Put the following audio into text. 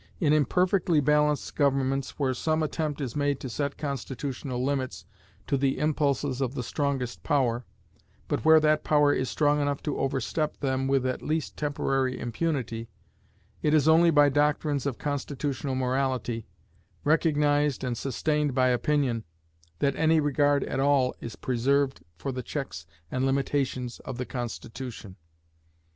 In imperfectly balanced governments, where some attempt is made to set constitutional limits to the impulses of the strongest power, but where that power is strong enough to overstep them with at least temporary impunity, it is only by doctrines of constitutional morality, recognized and sustained by opinion, that any regard at all is preserved for the checks and limitations of the constitution.